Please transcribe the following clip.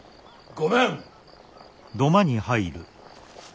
御免！